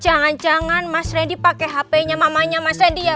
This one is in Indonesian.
jangan jangan mas randy pakai hpnya mamanya mas randy ya